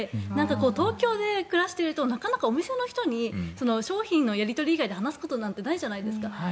東京で暮らしているとなかなかお店の人に商品のやり取り以外で話すことなんてないじゃないですか。